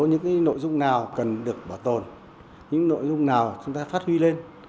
những nội dung nào cần được bảo tồn những nội dung nào chúng ta phát huy lên